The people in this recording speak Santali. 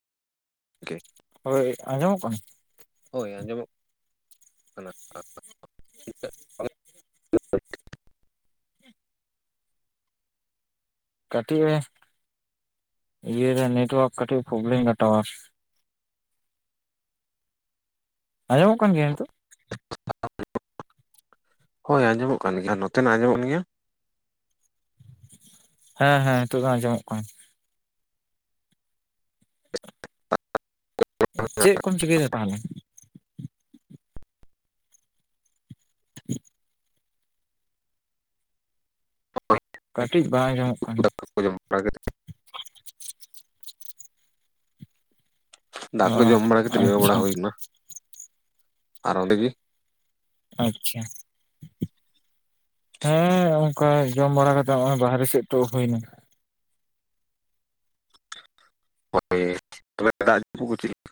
ᱠᱮ ᱦᱳᱭ ᱟᱸᱡᱚᱢᱚᱜ ᱠᱟᱱ ᱦᱳᱭ ᱟᱸᱡᱚᱢᱮᱫ ᱠᱟᱹᱴᱤᱡ ᱮ ᱤᱭᱟᱹᱨᱮ ᱱᱮᱴᱣᱟᱨᱠ ᱠᱟᱹᱴᱤᱡ ᱯᱨᱚᱵᱞᱮᱢ ᱮᱫᱟ ᱴᱟᱣᱟᱨ ᱟᱸᱡᱚᱢᱚᱜ ᱠᱟᱱ ᱜᱮᱭᱟ ᱱᱤᱛᱚᱜ ᱦᱳᱭ ᱟᱸᱚᱢᱚᱜ ᱠᱟᱱ ᱜᱮᱭᱟ ᱱᱚᱛᱮᱱᱟᱜ ᱟᱸᱡᱚᱢᱚᱜ ᱜᱮᱭᱟ ᱦᱮᱸ ᱦᱮᱸ ᱱᱤᱛᱚᱜ ᱫᱚ ᱟᱸᱚᱢᱮᱫ ᱠᱟᱱᱟ ᱪᱮᱫ ᱠᱚᱢ ᱪᱤᱠᱟᱹᱭ ᱮᱫᱟ ᱛᱟᱦᱚᱞᱮ [inaudible] ᱠᱟᱹᱴᱤᱡ ᱵᱟᱭ ᱟᱡᱚᱢᱚᱜ ᱠᱟᱱᱟ [inaudible] ᱚ ᱫᱟᱠ ᱠᱳ ᱡᱚᱢ ᱵᱟᱲᱟ ᱠᱟᱛᱮ ᱡᱤᱨᱟᱯᱹᱣ ᱟᱪᱪᱷᱟ ᱵᱟᱲᱟ ᱦᱩᱭ ᱠᱟᱱᱟ ᱟᱨ ᱚᱰᱮ ᱜᱮ ᱟᱪᱪᱷᱟ ᱦᱮᱸ ᱚᱱᱠᱟ ᱡᱚᱢ ᱵᱟᱲᱟ ᱠᱟᱛᱮᱜ ᱱᱚᱜ ᱚᱭ ᱵᱟᱨᱦᱮ ᱥᱮᱫ ᱛᱚ ᱦᱩᱭᱱᱟ [inaudible]